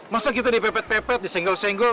masuk itu dipepet pepet disenggol senggol